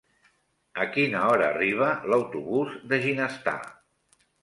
A quina hora arriba l'autobús de Ginestar?